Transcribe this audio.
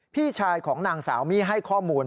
พี่ชายของนางสาวมี่ให้ข้อมูล